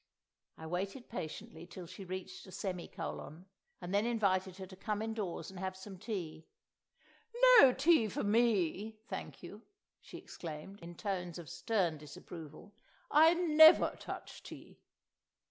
I waited patiently till she reached a semicolon, and then invited her to come indoors and have some tea. "No tea for me, thank you!" she exclaimed, in tones of stern disapproval. "I never touch tea."